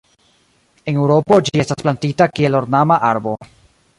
En Eŭropo ĝi estas plantita kiel ornama arbo.